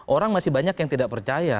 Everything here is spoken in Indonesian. orang masih banyak yang tidak percaya